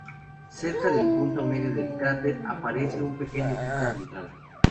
Cerca del punto medio del cráter aparece un pequeño pico central.